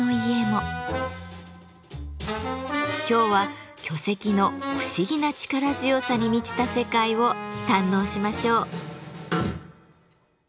今日は巨石の不思議な力強さに満ちた世界を堪能しましょう。